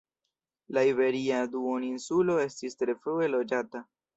La iberia duoninsulo estis tre frue loĝata.